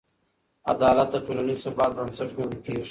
عدالت د ټولنیز ثبات بنسټ ګڼل کېږي.